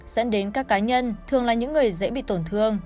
dẫn đến các cá nhân thường là những người dễ bị tổn thương